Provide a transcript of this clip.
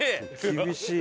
厳しい。